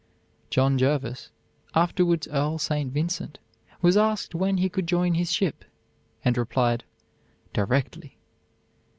John Jervis, afterwards Earl St. Vincent, was asked when he could join his ship, and replied, "Directly."